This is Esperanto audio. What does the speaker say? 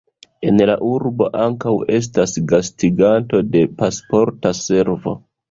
En la urbo ankaŭ estas gastiganto de Pasporta Servo.